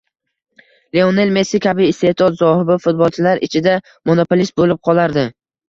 Leonel Messi kabi isteʼdod sohibi futbolchilar ichida “monopolist” bo‘lib qolardi